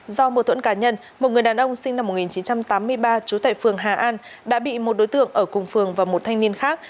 do mô thuẫn cá nhân một người đàn ông sinh năm một nghìn chín trăm tám mươi ba trú tại phường hà an đã bị một đối tượng ở cùng phường và một thanh niên khác